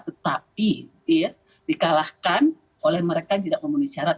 tetapi dikalahkan oleh mereka yang tidak memenuhi syarat